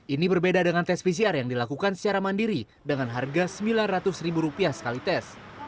ini berbeda dengan tes pcr yang dilakukan secara mandiri dengan harga rp sembilan ratus sekali tes